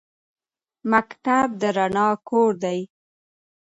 مکتب د رڼا کور دی